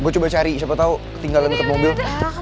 gue coba cari siapa tau ketinggalan di mobil